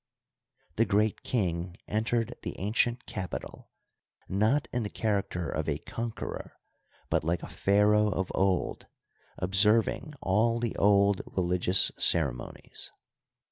The great king entered the an cient capital, not in the character of a conqueror, but like a pharaoh of old, observing all the old religious cere monies.